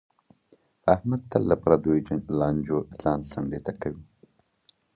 احمد تل له پردیو لانجو ځان څنډې ته کوي.